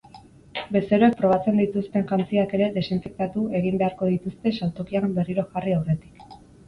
Bezeroek probatzen dituzten jantziak ere desinfektatu egin beharko dituzte saltokian berriro jarri aurretik.